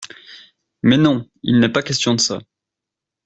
Mais non, il n’est pas question de ça.